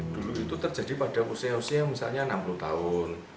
dulu itu terjadi pada usia usia misalnya enam puluh tahun